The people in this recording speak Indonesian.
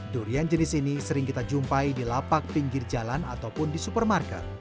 durian jenis ini sering kita jumpai di lapak pinggir jalan ataupun di supermarket